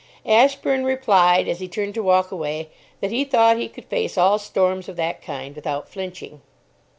Ashburn replied, as he turned to walk away, that he thought he could face all storms of that kind without flinching.